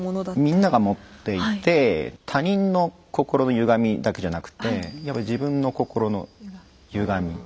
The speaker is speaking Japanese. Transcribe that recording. みんなが持っていて他人の心のゆがみだけじゃなくてやっぱ自分の心のゆがみ。